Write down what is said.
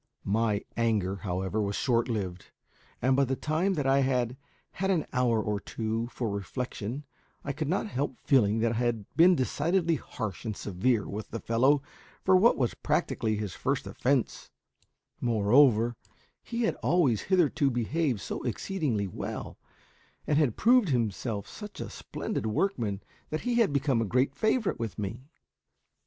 My anger, however, was short lived, and by the time that I had had an hour or two for reflection I could not help feeling that I had been decidedly harsh and severe with the fellow for what was practically his first offence; moreover, he had always hitherto behaved so exceedingly well, and had proved himself such a splendid workman, that he had become a great favourite with me.